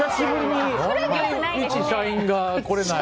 何で、一社員が来れない。